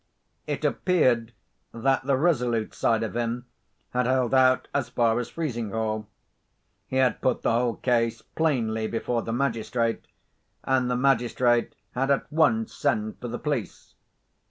It appeared that the resolute side of him had held out as far as Frizinghall. He had put the whole case plainly before the magistrate, and the magistrate had at once sent for the police.